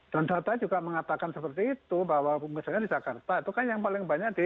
dan data juga mengatakan seperti itu bahwa misalnya di jakarta itu kan yang paling banyak di